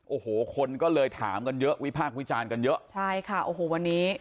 โอ้โหคนก็เลยถามกันเยอะวิพากษ์วิจารณ์กันเยอะใช่ค่ะโอ้โหวันนี้